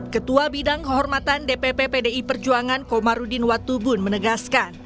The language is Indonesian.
ketua bidang kehormatan dpp pdi perjuangan komarudin watubun menegaskan